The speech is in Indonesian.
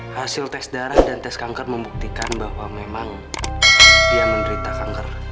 hasil tes darah dan tes kanker membuktikan bahwa memang dia menderita kanker